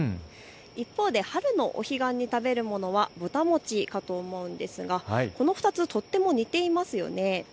一方で春のお彼岸に食べるものはぼた餅だと思うんですがこの２つ、とても似ていますよね。